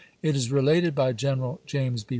It is related by Greneral James B.